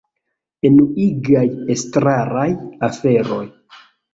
Enuigaj estraraj aferoj